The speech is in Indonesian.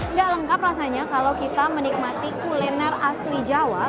nggak lengkap rasanya kalau kita menikmati kuliner asli jawa